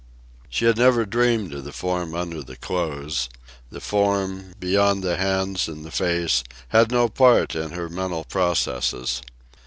She had never dreamed of the form under the clothes. The form, beyond the hands and the face, had no part in her mental processes.